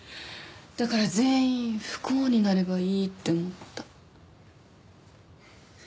だから全員不幸になればいいって思った。